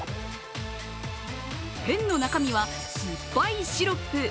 ペンの中身は、すっぱいシロップ。